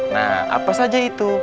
nah apa saja itu